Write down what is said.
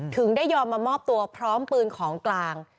ถึงได้ยอมมามอบตัวพร้อมปืนของกลาง